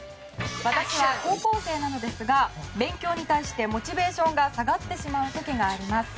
私は高校生なのですが勉強に対してモチベーションが下がってしまう時があります。